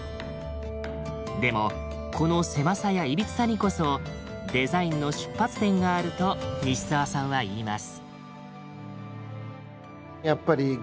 でもこの狭さや歪さにこそデザインの出発点があると西沢さんは言います。